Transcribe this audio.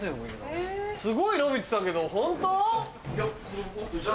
すごい伸びてたけどホント？